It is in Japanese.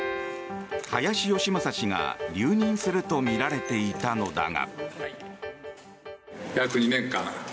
林芳正氏が留任するとみられていたのだが。